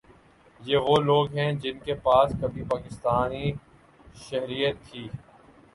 یہ وہ لوگ ہیں جن کے پاس کبھی پاکستانی شہریت تھی